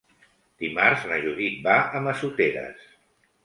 Dimarts na Judit va a Massoteres.